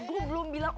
gue belum bilang oke